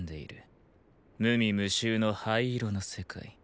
無味無臭の灰色の世界。